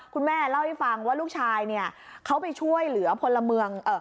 คุณแม่เล่าให้ฟังว่าลูกชายไปช่วยเหลือพลเมือง